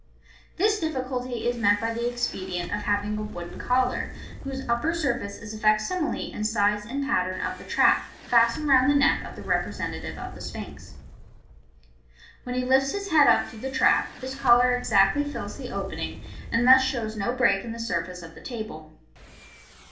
This difficulty is met by the expedient of having a wooden collar, whose upper sur face is a facsimile in size and pattern of the trap, fastened round the neck of the representative of the Sphinx. When he lifts his head up through the trap, this collar exactly fills the opening, and thus shows no break in the surface of the table.